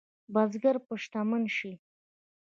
بزګر به شتمن شي؟